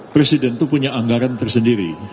presiden itu punya anggaran tersendiri